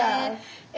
え